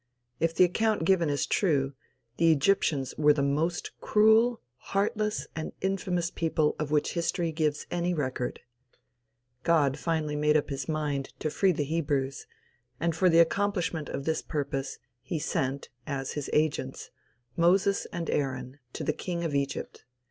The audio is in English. If the account given is true, the Egyptians were the most cruel, heartless and infamous people of which history gives any record. God finally made up his mind to free the Hebrews; and for the accomplishment of this purpose he sent, as his agents, Moses and Aaron, to the king of Egypt.